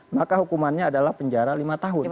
maka hukumannya adalah penjara lima tahun